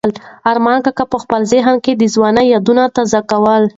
ارمان کاکا په خپل ذهن کې د ځوانۍ یادونه تازه کوله.